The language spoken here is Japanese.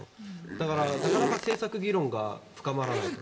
だから、なかなか政策議論が深まらないと。